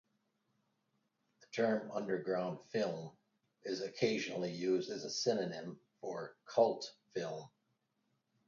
The term "underground film" is occasionally used as a synonym for cult film.